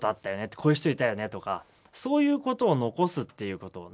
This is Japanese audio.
「こういう人いたよね」とかそういうことを残すっていうことをね